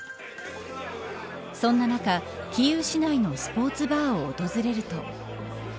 そんな中、キーウ市内のスポーツバーを訪れると。